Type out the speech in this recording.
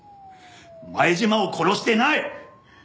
前島を殺してない！